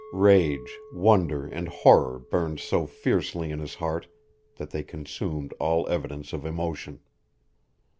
Rage, wonder, and horror burned so fiercely in his heart that they consumed all evidence of emotion.